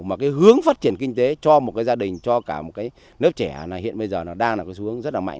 mà cái hướng phát triển kinh tế cho một gia đình cho cả một lớp trẻ hiện bây giờ đang là hướng rất là mạnh